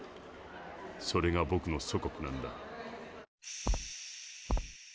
それがぼくの祖国なんだ。